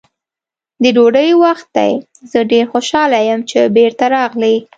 د ډوډۍ وخت دی، زه ډېر خوشحاله یم چې بېرته راغلې.